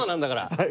はい。